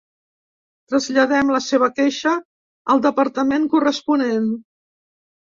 Traslladem la seva queixa al departament corresponent.